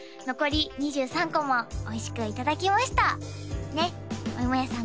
残り２３個もおいしくいただきましたねっおい